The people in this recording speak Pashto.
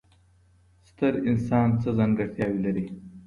ستر انسان څه ځانګړتیاوې لري؟